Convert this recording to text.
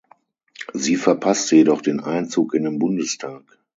Sie verpasste jedoch den Einzug in den Bundestag.